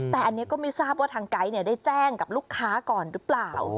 แต่อันนี้ก็ไม่ทราบว่าทางไก๊ได้แจ้งกับลูกค้าก่อนหรือเปล่า